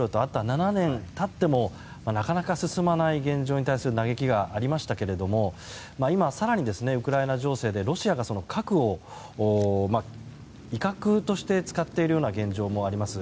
７年経ってもなかなか進まない現状に対する嘆きがありましたけれども今、更にウクライナ情勢でロシアが核を威嚇として使っているような現状もあります。